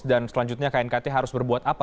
dan selanjutnya knkt harus berbuat apa